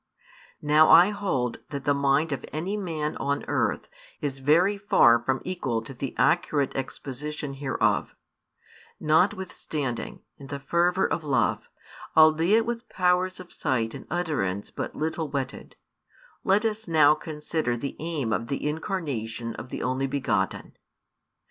Now I hold that the mind of any man on earth is very far from equal to the accurate exposition hereof; notwithstanding, in the fervour of love, albeit with powers of sight and utterance but little whetted, let us now consider the aim of the Incarnation of the Only begotten.